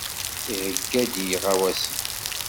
Iheyya-d iɣawasen.